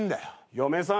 嫁さん